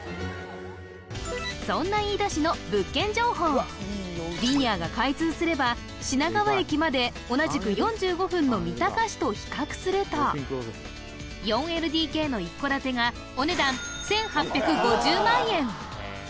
そんなリニアが開通すれば品川駅まで同じく４５分の三鷹市と比較すると４ＬＤＫの一戸建てがお値段１８５０万円